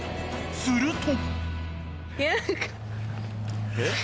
［すると］